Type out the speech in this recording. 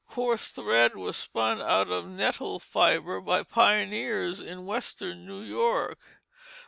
Coarse thread was spun out of nettle fibre by pioneers in western New York.